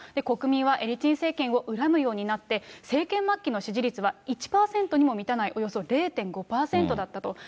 国民はエリツィン政権を恨むようになって、政権末期の支持率は１％にも満たないおよそ０．５％だったと。